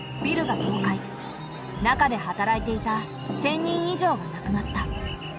中で働いていた１，０００人以上がなくなった。